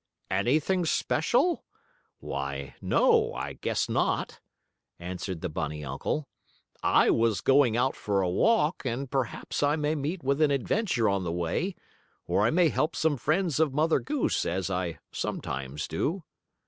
"Anything special? Why, no, I guess not," answered the bunny uncle. "I was going out for a walk, and perhaps I may meet with an adventure on the way, or I may help some friends of Mother Goose, as I sometimes do."